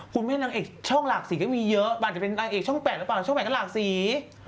คุณแม่มลังเอกช่องหลากสีก็จะมีเยอะมันแต่อีกช่อง๘ช่องแปดก็หลากสี